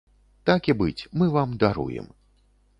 Так і быць, мы вам даруем.